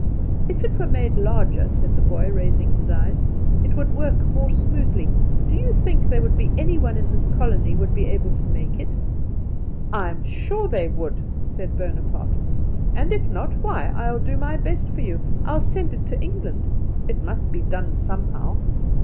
"If it were made larger," said the boy, raising his eyes, "it would work more smoothly. Do you think there would be any one in this colony would be able to make it?" "I'm sure they could," said Bonaparte; "and if not, why I'll do my best for you. I'll send it to England. It must be done somehow.